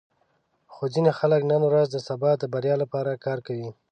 خو ځینې خلک نن ورځ د سبا د بریا لپاره کار کوي.